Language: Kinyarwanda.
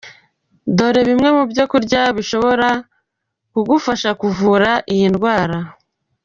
Dore bimwe mu byo kurya bishobora kugufasha kuvura iyi ndwara.